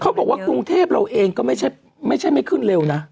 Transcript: เขาบอกว่ากรุงเทพฯเราเองก็ไม่ใช่ไม่ขึ้นเร็วนะ